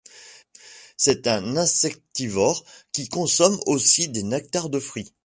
C'est un insectivore, qui consomme aussi des nectars de fruits.